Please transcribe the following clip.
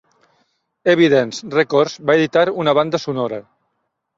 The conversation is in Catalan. Evidence Records va editar una banda sonora.